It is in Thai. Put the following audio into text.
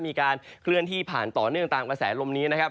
มีการเคลื่อนที่ผ่านต่อเนื่องตามกระแสลมนี้นะครับ